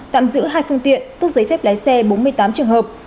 tạm giữ hai phương tiện tức giấy phép lái xe bốn mươi tám trường hợp